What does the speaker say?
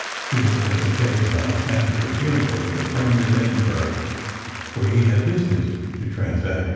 He had spent the day and niglit after the funeral with a friend in Edinburgh, where he ha4 business to transact.